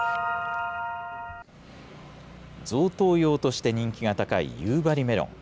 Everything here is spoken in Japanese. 贈答用として人気が高い夕張メロン。